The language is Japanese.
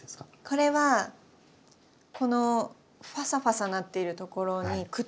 これはこのファサファサなっているところにくっつく。